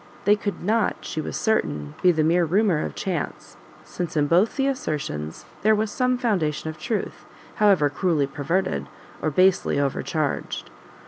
They could not, she was certain, be the mere rumour of chance, since in both the assertions there was some foundation of truth, however cruelly perverted, or basely over charged.